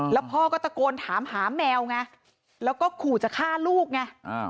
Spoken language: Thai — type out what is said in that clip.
แล้วพ่อก็ตะโกนถามหาแมวไงแล้วก็ขู่จะฆ่าลูกไง